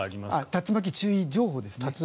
竜巻注意情報ですね。